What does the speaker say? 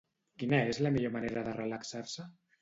Quina és la millor manera de relaxar-se?